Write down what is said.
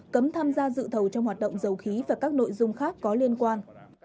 cấm tham gia dự thầu trong hoạt động dầu khí và các nội dung khác có liên quan